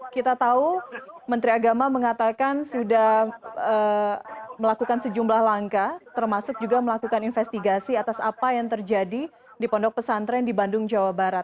kita tahu menteri agama mengatakan sudah melakukan sejumlah langkah termasuk juga melakukan investigasi atas apa yang terjadi di pondok pesantren di bandung jawa barat